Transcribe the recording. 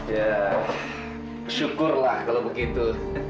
ya syukurlah kalau begitu